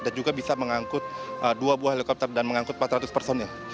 dan juga bisa mengangkut dua buah helikopter dan mengangkut empat ratus personil